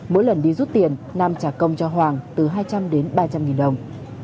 mỗi lần đi rút tiền nam trả công cho hoàng từ hai trăm linh đến ba trăm linh nghìn đồng